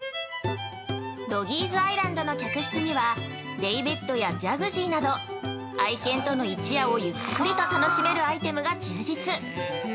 ◆ドギーズアイランドの客室にはデイベッドやジャグジーなど愛犬との一夜をゆっくりと楽しめるアイテムが充実。